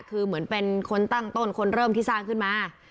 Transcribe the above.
คือเหมือนเป็นคนตั้งต้นคนเริ่มที่สร้างขึ้นมา